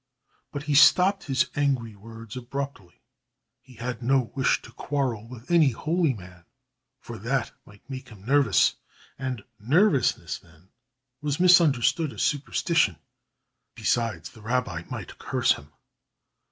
But he stopped his angry words abruptly. He had no wish to quarrel with any holy man, for that might make him nervous. And nervousness, then, was misunderstood as superstition. Besides, the rabbi might curse him.